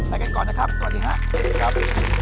และกันก่อนนะครับสวัสดีครับ